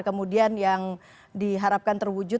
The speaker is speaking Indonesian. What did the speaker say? kemudian yang diharapkan terwujud